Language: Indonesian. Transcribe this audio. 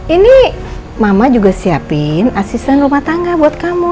ini mama juga siapin asisten rumah tangga buat kamu